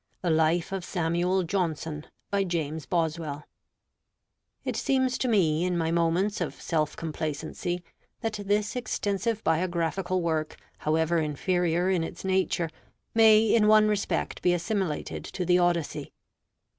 THE LIFE OF SAMUEL JOHNSON It seems to me in my moments of self complacency that this extensive biographical Work, however inferior in its nature, may in one respect be assimilated to the 'Odyssey.'